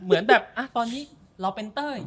เหมือนแบบตอนนี้เราเป็นเต้ย